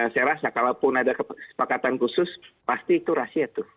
saya rasa kalaupun ada kesepakatan khusus pasti itu rahasia tuh